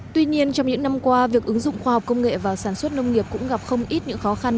tuy nhiên trong những năm qua việc ứng dụng khoa học công nghệ vào sản xuất nông nghiệp cũng gặp không ít những khó khăn